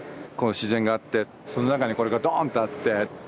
この自然があってその中にこれがドーンとあって。